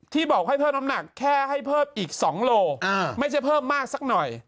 บอกให้เพิ่มน้ำหนักแค่ให้เพิ่มอีก๒โลไม่ใช่เพิ่มมากสักหน่อย